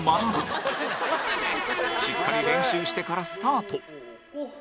しっかり練習してからスタート！